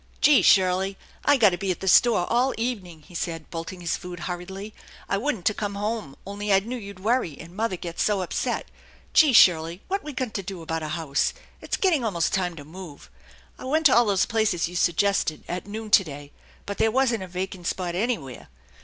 " Gee, Shirley, I gotta be at the store all evening," he said, bolting his food hurriedly. " I wouldn't 'a' come home, only I knew you'd worry, and mother gets so upset. Gee, Shirley, what we gonta do about a house ? It's getting almost time to move. I went to all those places you suggested at noon to day, but there wasn't a vacant spot anywhere.